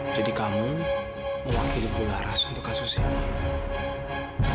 jadi kamu mewakili kularas untuk kasus ini